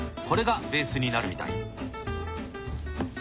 これがベースになるみたい。